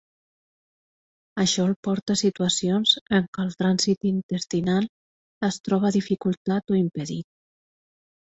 Això el porta a situacions en què el trànsit intestinal es troba dificultat o impedit.